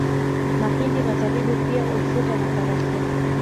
Mahindi na Zabibu pia ufuta na karafuu